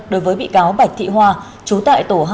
đối với bị cáo bạch thị hoa chú tại tổ hai